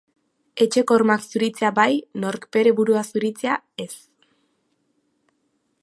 Etxeko ormak zuritzea, bai; nork bere burua zuritzea, ez.